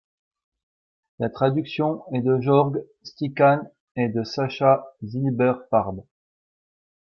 La traduction est de Jörg Stickan et de Sacha Zilberfarb.